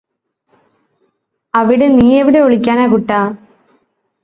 അവിടെ നീയെവിടെ ഒളിക്കാനാ കുട്ടാ